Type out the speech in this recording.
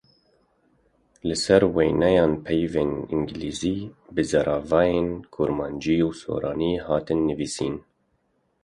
Li ser wêneyan peyvên îngîlîzî bi zaravayên kurmancî û soranî hatine nivîsîn.